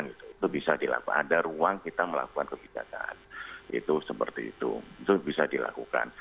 itu bisa dilakukan ada ruang kita melakukan kebijakan itu seperti itu itu bisa dilakukan